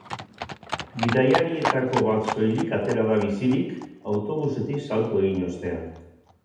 Bidaiarietako bat soilik atera da bizirik, autobusetik salto egin ostean.